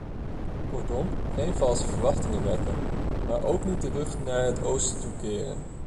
Kortom, geen valse verwachtingen wekken, maar ook niet de rug naar het oosten toekeren!